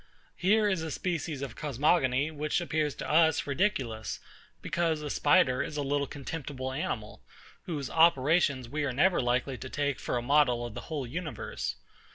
Here is a species of cosmogony, which appears to us ridiculous; because a spider is a little contemptible animal, whose operations we are never likely to take for a model of the whole universe.